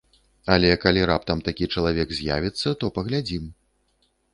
Але калі раптам такі чалавек з'явіцца, то паглядзім.